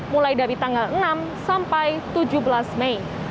mulai dari tanggal enam sampai tujuh belas mei